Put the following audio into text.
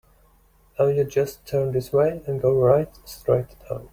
Now you just turn this way and go right straight down.